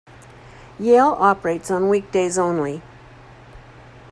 Yale operates on weekdays only.